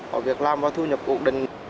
họ việc làm và thu nhập cụ đình